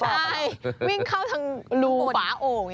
ช้ายวิ่งเข้าลูาถ้าฝาโอ่ง